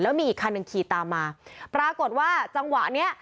มีอีกคันหนึ่งขี่ตามมาปรากฏว่าจังหวะเนี้ย